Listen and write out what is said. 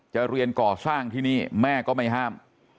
เรียนก่อสร้างที่นี่แม่ก็ไม่ห้าม